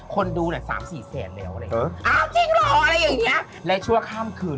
คนดู๓๔แสนแล้วเลย